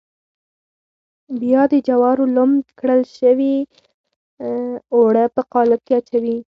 بیا د جوارو لمد کړل شوي اوړه په قالب کې اچوي.